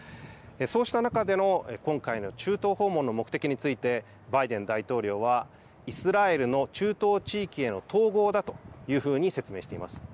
そうした中での今回の中東訪問の目的についてバイデン大統領はイスラエルの中東地域への統合だというふうに説明しています。